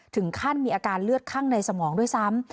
ถึงขั้นมีอาการเลือดข้างในสมองด้วยซ้ำ